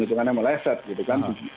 hitungannya meleset gitu kan